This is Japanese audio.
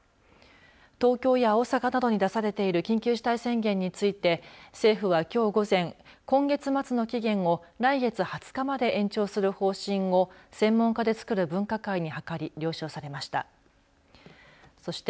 東京や大阪などに出されている緊急事態宣言について政府はきょう午前今月末の期限を来月２０日まで延長する方針を専門家でつくる分科会に諮り了承されました。